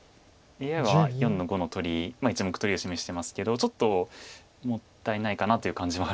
ＡＩは４の五の取り１目取りを示してますけどちょっともったいないかなという感じもあるので。